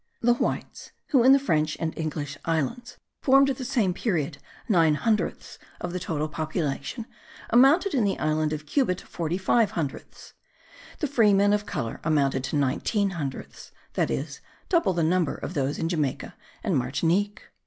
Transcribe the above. The whites, who in the French and English islands formed at the same period nine hundredths of the total population, amounted in the island of Cuba to forty five hundredths. The free men of colour amounted to nineteen hundredths, that is, double the number of those in Jamaica and Martinique.